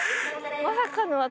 まさかの。